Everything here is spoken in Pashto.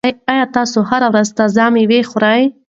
آیا تاسو هره ورځ تازه مېوه خورئ؟